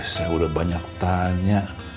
saya udah banyak tanya